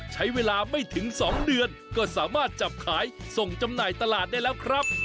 ใช้เวลาไม่ถึง๒เดือนก็สามารถจับขายส่งจำหน่ายตลาดได้แล้วครับ